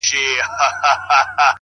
صدقه نه، په څو ـ څو ځلې صدقان وځي~